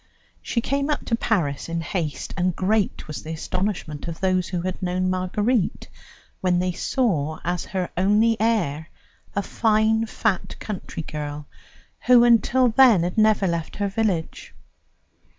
She came up to Paris in haste, and great was the astonishment of those who had known Marguerite when they saw as her only heir a fine, fat country girl, who until then had never left her village.